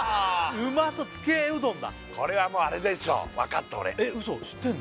うまそうつけうどんだこれはもうあれでしょ分かった俺ウソ知ってんの？